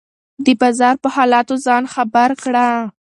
د بازار په حالاتو ځان خبر کړه.